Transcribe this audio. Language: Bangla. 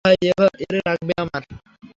ভাই, এরে লাগবে আমার।